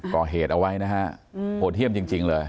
ก่อเหตุเอาไว้นะฮะโหดเยี่ยมจริงเลย